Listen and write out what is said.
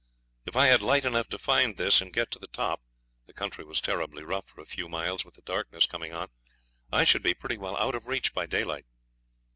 If I had light enough to find this and get to the top the country was terribly rough for a few miles, with the darkness coming on I should be pretty well out of reach by daylight.